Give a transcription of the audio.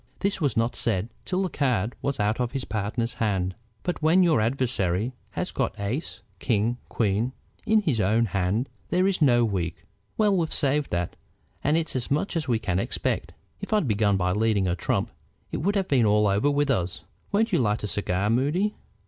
This was not said till the card was out of his partner's hand. "But when your adversary has got ace, king, queen in his own hand there is no weak. Well, we've saved that, and it's as much as we can expect. If I'd begun by leading a trump it would have been all over with us. Won't you light a cigar, Moody?"